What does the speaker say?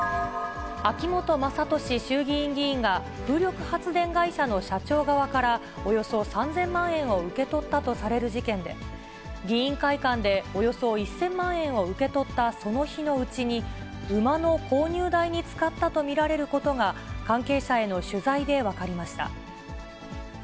秋本真利衆議院議員が風力発電会社の社長側から、およそ３０００万円を受け取ったとされる事件で、議員会館でおよそ１０００万円を受け取ったその日のうちに、馬の購入代に使ったと見られることが、関係者への取材で分かりました。